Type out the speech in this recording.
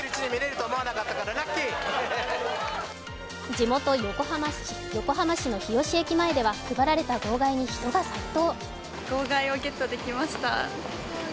地元・横浜市の日吉駅前では配られた号外に人が殺到！